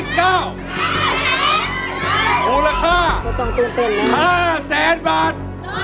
ภูมิราคา๕๐๐บาท